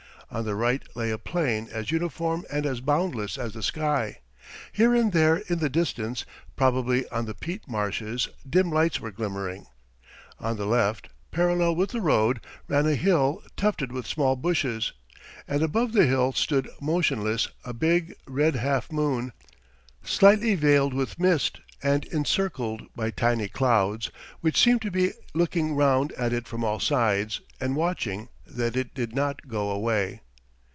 On the right lay a plain as uniform and as boundless as the sky; here and there in the distance, probably on the peat marshes, dim lights were glimmering. On the left, parallel with the road, ran a hill tufted with small bushes, and above the hill stood motionless a big, red half moon, slightly veiled with mist and encircled by tiny clouds, which seemed to be looking round at it from all sides and watching that it did not go away.